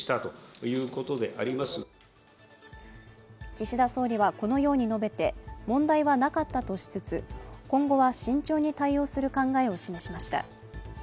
岸田総理はこのように述べて、問題はなかったとしつつ今後は慎重に対応する考えを示しました。